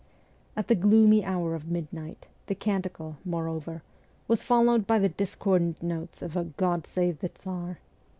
At the gloomy hour of midnight, the canticle, more over, was followed by the discordant notes of a ' God save the Tsar.'